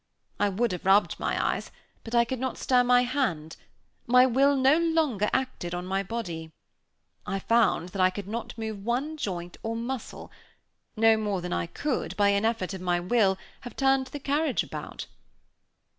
I would have rubbed my eyes, but I could not stir my hand, my will no longer acted on my body I found that I could not move one joint, or muscle, no more than I could, by an effort of my will, have turned the carriage about.